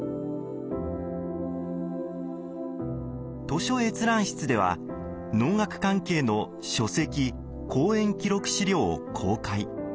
図書閲覧室では能楽関係の書籍公演記録資料を公開。